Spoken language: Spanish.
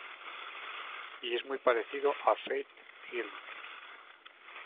Y es muy parecido a Faith Hill.